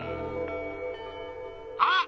あっ！